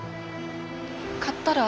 勝ったら？